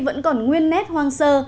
vẫn còn nguyên nét hoang sơ